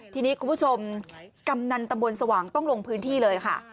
ทีนี้คุณผู้ชมกำนันตำบลสว่างต้องลงพื้นที่เลยค่ะ